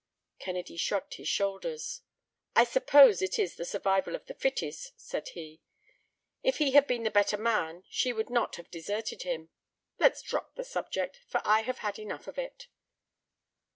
Kennedy shrugged his shoulders. "I suppose it is the survival of the fittest," said he. "If he had been the better man she would not have deserted him. Let's drop the subject, for I have had enough of it!"